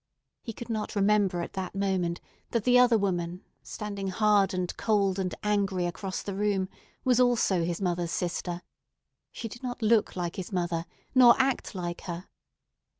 He could not remember at that moment that the other woman, standing hard and cold and angry across the room, was also his mother's sister. She did not look like his mother, nor act like her.